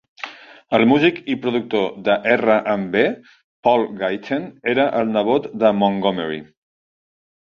El músic i productor de R and B, Paul Gayten, era el nebot de Montgomery.